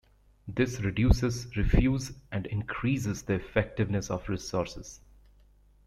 This reduces refuse and increases the effectiveness of resources.